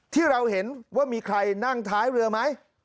ที่เราเห็นว่ามีใครนั่งท้ายเรือไหม